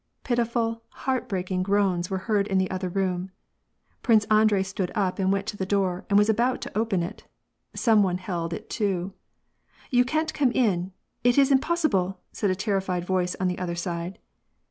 Pitiful, heartbreaking groans were heard in the other room. Prince Andrei stood up and went to the door, and was about to open it. Some one held it to. " You can't come in ! it's impossible," said a terrified voice on the other side.